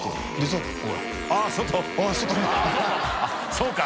そうか！